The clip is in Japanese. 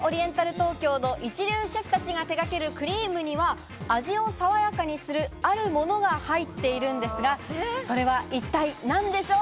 東京の一流シェフたちが手がけるクリームには、味を爽やかにするあるものが入っているんですが、それは一体なんでしょう？